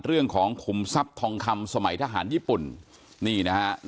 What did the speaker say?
ขุมทรัพย์ทองคำสมัยทหารญี่ปุ่นนี่นะฮะ